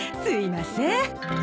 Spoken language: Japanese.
すいません。